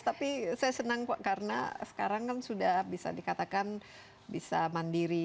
tapi saya senang karena sekarang kan sudah bisa dikatakan bisa mandiri